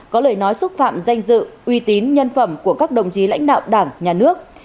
có lời nói xúc phạm danh dự uy tín nhân phẩm của các đồng chí lãnh đạo đảng nhà nước